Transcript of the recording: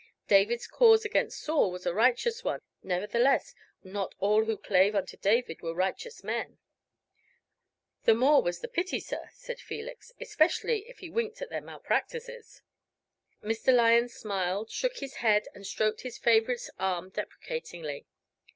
David's cause against Saul was a righteous one; nevertheless not all who clave unto David were righteous men." "The more was the pity, sir," said Felix. "Especially if he winked at their malpractices." Mr. Lyon smiled, shook his head, and stroked his favorite's arm deprecatingly.